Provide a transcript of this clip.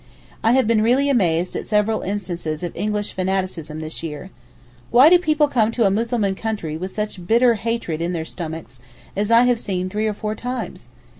I have been really amazed at several instances of English fanaticism this year. Why do people come to a Mussulman country with such bitter hatred 'in their stomachs' as I have seen three or four times.